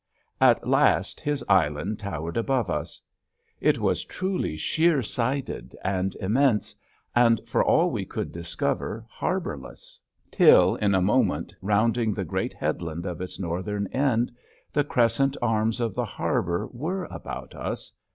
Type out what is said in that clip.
At last his island towered above us. It was truly sheer sided and immense, and for all we could discover harborless; till in a moment rounding the great headland of its northern end the crescent arms of the harbor were about us, and we were there!